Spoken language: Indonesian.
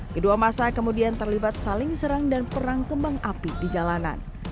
kedua masa kemudian terlibat saling serang dan perang kembang api di jalanan